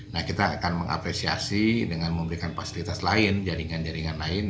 nah kita akan mengapresiasi dengan memberikan fasilitas lain jaringan jaringan lain